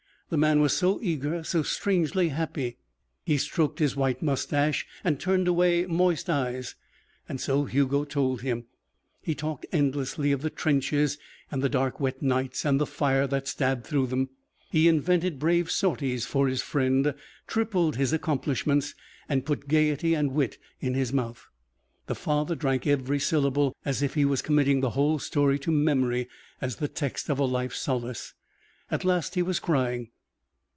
The man was so eager, so strangely happy. He stroked his white moustache and turned away moist eyes. So Hugo told him. He talked endlessly of the trenches and the dark wet nights and the fire that stabbed through them. He invented brave sorties for his friend, tripled his accomplishments, and put gaiety and wit in his mouth. The father drank every syllable as if he was committing the whole story to memory as the text of a life's solace. At last he was crying.